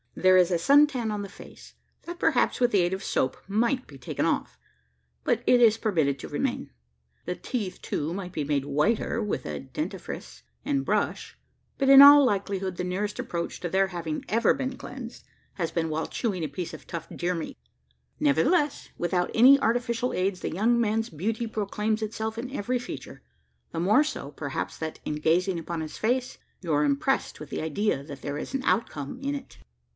There is sun tan on the face, that, perhaps with the aid of soap, might be taken off; but it is permitted to remain. The teeth, too, might be made whiter with a dentifrice and brush; but in all likelihood the nearest approach to their having ever been cleansed has been while chewing a piece of tough deer meat. Nevertheless, without any artificial aids, the young man's beauty proclaims itself in every feature the more so, perhaps that, in gazing upon his face, you are impressed with the idea that there is an "outcome" in it.